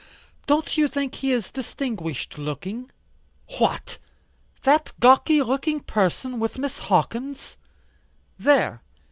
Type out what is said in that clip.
"Don't you think he is distinguished looking?" "What! That gawky looking person, with Miss Hawkins?" "There.